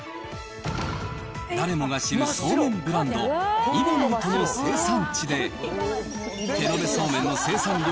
誰もが知るそうめんブランド、揖保乃糸の生産地で、手延べそうめんの生産量